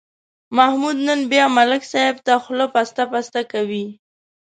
محمود نن بیا ملک صاحب ته خوله پسته پسته کوي.